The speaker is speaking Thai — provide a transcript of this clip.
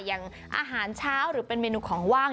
อย่างอาหารเช้าหรือเป็นเมนูของว่าง